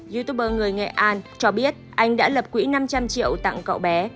youtuber người nghệ an cho biết anh đã lập quỹ năm trăm linh triệu tặng cậu bé